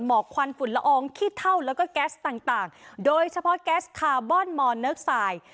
กควันฝุ่นละอองขี้เท่าแล้วก็แก๊สต่างโดยเฉพาะแก๊สคาร์บอนมอนเนอร์ไซด์